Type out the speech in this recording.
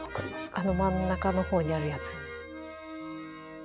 あの真ん中のほうにあるやつ。